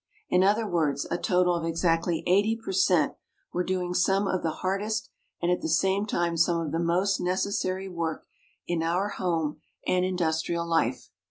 In other words, a total of ex actly 80 per cent, were doing some of the hardest and at the same time some of the most necessary work in our home and indus INTRODUCTION 17 trial life.